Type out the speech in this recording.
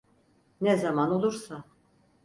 Ne zaman olursa.